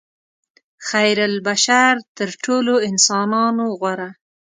خیرالبشر تر ټولو انسانانو غوره.